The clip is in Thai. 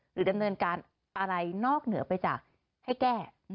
ดำเนินการอะไรนอกเหนือไปจากให้แก้